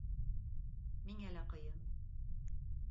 Миңә лә ҡыйын...